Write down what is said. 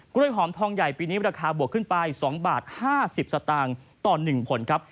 หอมทองใหญ่ปีนี้ราคาบวกขึ้นไป๒บาท๕๐สตางค์ต่อ๑ผลครับ